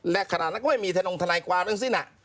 และขณะนั้นก็ไม่มีธนงทนายความทั้งสิ้น